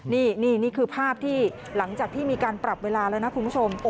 นี่คือภาพที่หลังจากที่มีการปรับเวลาแล้วนะคุณผู้ชม